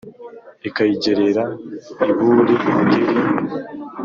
ikayigerera i buri-ngeri.